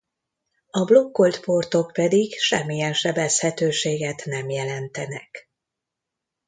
A blokkolt portok pedig semmilyen sebezhetőséget nem jelentenek.